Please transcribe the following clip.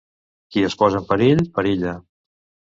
Qui es posa en perill, perilla.